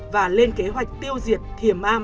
và lên kế hoạch tiêu diệt thiền am